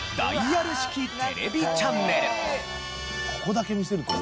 ここだけ見せるとさ。